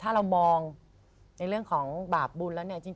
ถ้าเรามองในเรื่องของบาปบุญแล้วเนี่ย